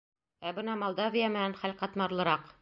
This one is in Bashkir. Ә бына Молдавия менән хәл ҡатмарлыраҡ.